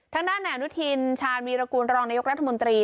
ทางด้านนายอนุทินชาญวีรกูลรองนายกรัฐมนตรี